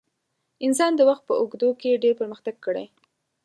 انسان د وخت په اوږدو کې ډېر پرمختګ کړی.